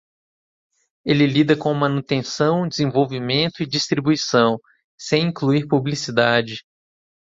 Ele lida com manutenção, desenvolvimento e distribuição, sem incluir publicidade.